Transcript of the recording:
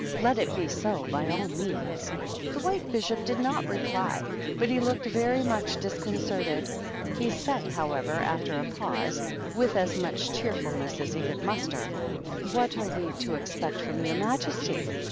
"Let it be so, by all means." The White Bishop did not reply, but he looked very much disconcerted ; he said, however, after a pause, with as much cheerfulness as he could muster, "What are we to expect from your majesty